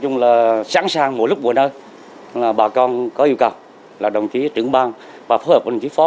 chung là sẵn sàng mỗi lúc mỗi nơi là bà con có yêu cầu là đồng chí trưởng bang và phối hợp với đồng chí phó